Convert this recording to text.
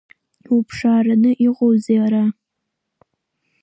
Иуԥшаараны иҟоузеи ара…